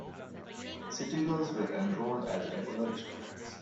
City girls were enrolled as regular students.